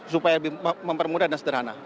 supaya mempermudah dan sederhana